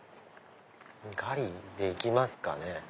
ガリでいきますかね。